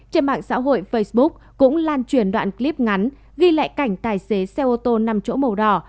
trên mạng xã hội facebook cũng lan truyền đoạn clip ngắn ghi lại cảnh tài xế xe ô tô nằm chỗ màu đỏ